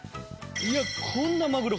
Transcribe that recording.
いやこんなマグロ